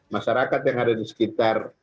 masyarakat yang ada di sekitar